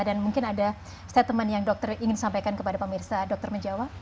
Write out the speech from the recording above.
dan mungkin ada statement yang dokter ingin sampaikan kepada pemirsa dokter menjawa